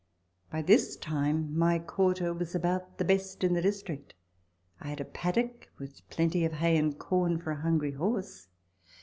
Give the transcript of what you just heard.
By this time my qunrter was about the best in the district. I had a paddock, with plenty of hay and corn for a hungry horse.